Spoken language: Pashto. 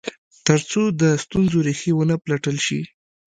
تر څو د ستونزو ریښې و نه پلټل شي.